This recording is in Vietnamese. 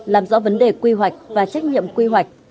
làm rõ vấn đề quy hoạch và trách nhiệm quy hoạch